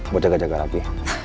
buat jaga jaga lagi